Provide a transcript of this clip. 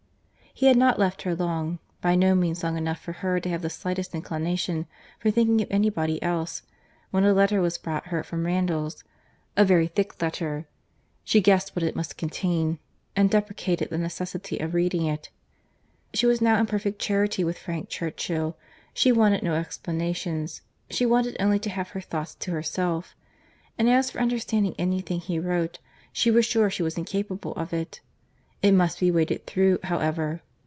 He had not left her long, by no means long enough for her to have the slightest inclination for thinking of any body else, when a letter was brought her from Randalls—a very thick letter;—she guessed what it must contain, and deprecated the necessity of reading it.—She was now in perfect charity with Frank Churchill; she wanted no explanations, she wanted only to have her thoughts to herself—and as for understanding any thing he wrote, she was sure she was incapable of it.—It must be waded through, however.